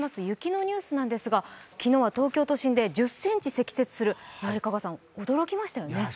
雪のニュースなんですが昨日は東京都心で１０ｃｍ積雪する、香川さん、驚きましたね。